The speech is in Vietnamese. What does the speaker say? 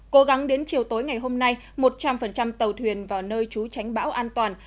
cố gắng đến chiều tối ngày hôm nay một trăm linh tàu thuyền vào nơi trú tránh bão an toàn